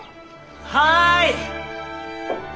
はい！